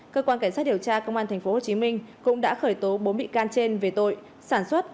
cơ quan cảnh sát điều tra công an tp hcm cũng đã khởi tố bốn bị can trên về tội sản xuất